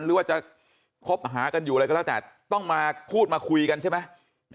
หรือว่าจะคบหากันอยู่อะไรก็แล้วแต่ต้องมาพูดมาคุยกันใช่ไหม